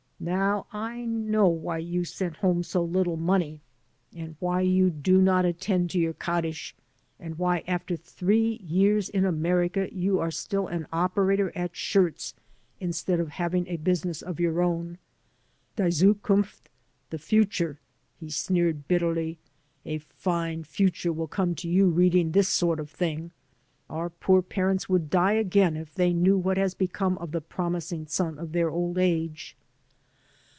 Now I know why you sent home so little money and why you 168 THE TRAGEDY OP READJUSTMENT do not attend to your kaddish and why, after three years in America, you are still an operator at shirts instead of having a business of your own. Die Zukunft (The Future),'* he sneered, bitterly; "a fine future will come to you reading this sort of thing. Our poor parents would die again if they knew what has become of the promising son of their old age."